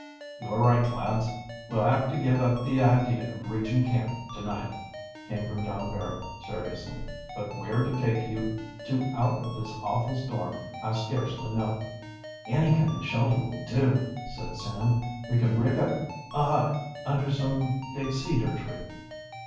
"You are right, lads, we'll have to give up the idea of reaching camp to night," came from John Barrow seriously. "But where to take you to out of this awful storm I scarcely know." "Any kind of shelter will do," said Sam. "We can rig up a hut under some big cedar tree."